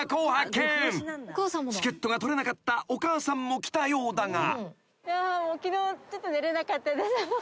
［チケットが取れなかったお母さんも来たようだが］